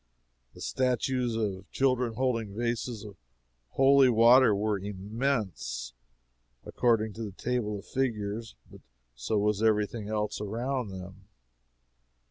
The statues of children holding vases of holy water were immense, according to the tables of figures, but so was every thing else around them.